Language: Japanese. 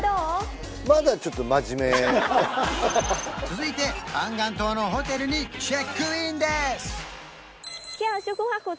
続いてパンガン島のホテルにチェックインです